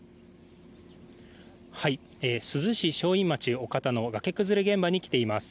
珠洲市正院町岡田の崖崩れ現場に来ています。